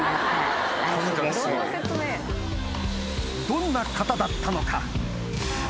どんな方だったのか？